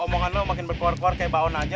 omongan lo makin berkuar kuar kayak mbak on aja